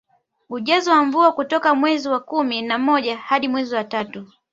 Ujazo wa mvua kutoka mwezi wa kumi na moja hadi mwezi wa tatu